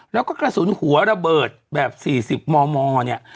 แล้วก็กระสุนหัวระเบิดแบบ๔๐มมเนี่ย